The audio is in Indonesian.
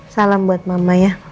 salam buat mama ya